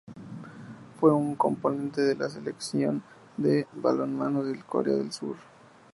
Fue un componente de la Selección de balonmano de Corea del Sur.